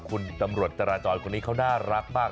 คุณตำรวจจราจรคนนี้เขาน่ารักมาก